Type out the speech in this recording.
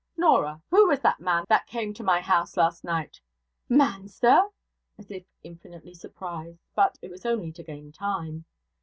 'Norah! Who was that man that came to my house last night?' 'Man, sir!' As if infinitely surprised; but it was only to gain time.